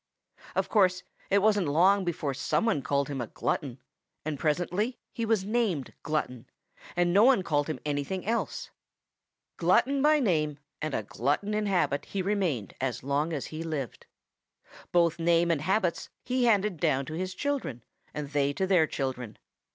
Of course it wasn't long before some one called him a glutton, and presently he was named Glutton, and no one called him anything else. Glutton by name and a glutton in habit he remained as long as he lived. Both name and habits he handed down to his children and they to their children.